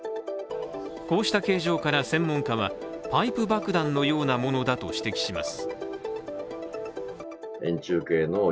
こうした形状から専門家はパイプ爆弾のようなものだと指摘します。